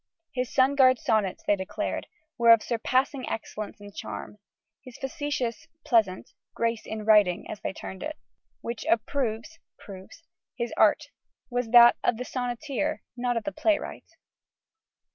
His "sugared sonnets," they declared, were of surpassing excellence and charm. "His facetious (pleasant) grace in writing," as they termed it, "which approves (proves) his art," was that of the sonneteer, not the playwright.